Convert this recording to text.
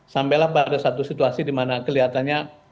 sampailah pada satu situasi di mana kelihatannya